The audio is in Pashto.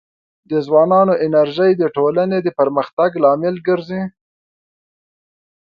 د ځوانانو انرژي د ټولنې د پرمختګ لامل ګرځي.